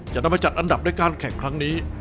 จะนำไปจัดอันดับด้วยการแข่งครั้งนี้